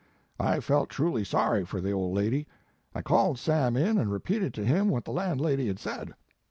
I felt truly sorry for the old lady. I called Sam in and repeated to him what the landlady had said.